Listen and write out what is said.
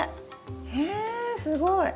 えすごい！